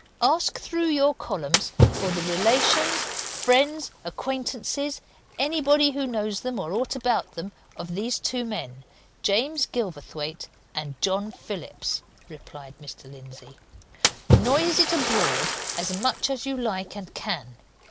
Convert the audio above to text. "Ask through your columns for the relations, friends, acquaintances, anybody who knows them or aught about them, of these two men, James Gilverthwaite and John Phillips," replied Mr. Lindsey. "Noise it abroad as much as you like and can!